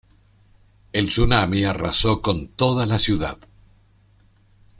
El tsunami arrasó con toda la ciudad.